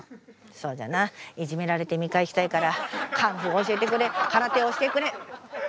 そうじゃないじめられて見返したいからカンフー教えてくれ空手教えてくれ。